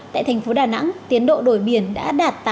tại thành phố đà nẵng tiến độ đổi biển đã đạt tám mươi